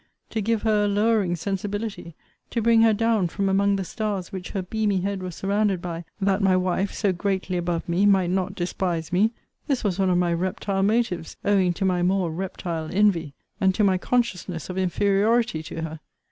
To give her a lowering sensibility; to bring her down from among the stars which her beamy head was surrounded by, that my wife, so greatly above me, might not despise me; this was one of my reptile motives, owing to my more reptile envy, and to my consciousness of inferiority to her!